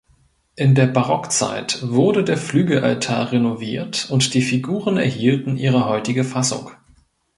In der Barockzeit wurde der Flügelaltar renoviert und die Figuren erhielten ihre heutige Fassung.